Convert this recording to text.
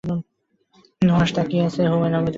নুহাশ তাকিয়ে আছে।